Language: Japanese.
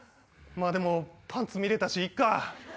まぁでもパンツ見れたしいっか。